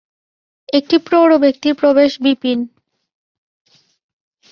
একটি প্রৌঢ় ব্যক্তির প্রবেশ বিপিন।